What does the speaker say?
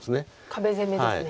壁攻めですね。